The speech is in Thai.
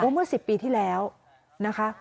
เมื่อ๑๐ปีที่แล้วนะคะ